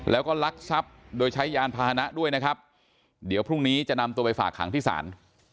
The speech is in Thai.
แล้วก็ลักทรัพย์โดยใช้ยานพาหนะด้วยนะครับเดี๋ยวพรุ่งนี้จะนำตัวไปฝากขังที่ศาล